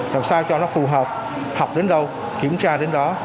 làm sao cho nó phù hợp học đến đâu kiểm tra đến đó